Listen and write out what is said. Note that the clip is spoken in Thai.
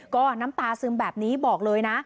ก็น้ำตาซึมแบบนี้บอกเลยนะ